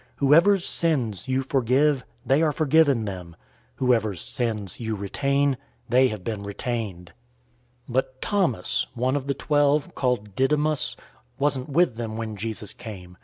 020:023 Whoever's sins you forgive, they are forgiven them. Whoever's sins you retain, they have been retained." 020:024 But Thomas, one of the twelve, called Didymus, wasn't with them when Jesus came.